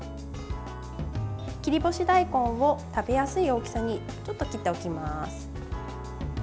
切り干し大根を食べやすい大きさにちょっと切っておきます。